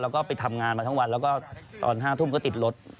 แล้วก็ไปทำงานมาทั้งวันแล้วก็ตอน๕ทุ่มก็ติดรถ